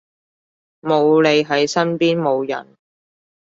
冇你喺身邊冇癮